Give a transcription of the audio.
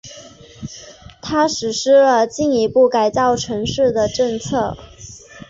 他实施了进一步改造城市的政策。